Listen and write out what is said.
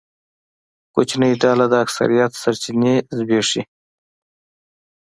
کوچنۍ ډله د اکثریت سرچینې زبېښي.